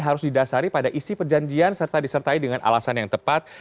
harus didasari pada isi perjanjian serta disertai dengan alasan yang tepat